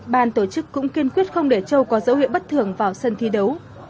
ban tổ chức cũng kiên quyết không để châu có dấu hiệu bất thường vào sân thi đấu